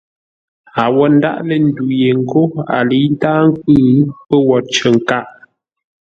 A wô ndáʼ lə́ ndu ye ńgó a lə̌i ntáa nkwʉ́, pə́ wo cər nkâʼ.